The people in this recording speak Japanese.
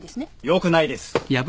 よくないです。